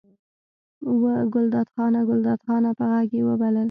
وه ګلداد خانه! ګلداد خانه! په غږ یې وبلل.